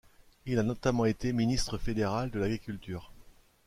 Il a notamment été ministre fédéral de l'Agriculture.